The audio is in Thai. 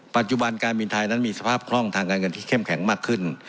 ปัจจุบันการบินไทยนั้นมีสภาพคล่องทางการเงินที่เข้มแข็งมากขึ้น